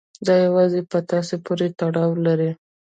دا يوازې په تاسې پورې تړاو لري.